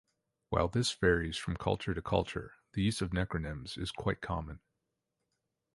While this varies from culture to culture, the use of necronyms is quite common.